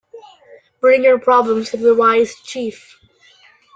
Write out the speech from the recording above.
Bring your problems to the wise chief.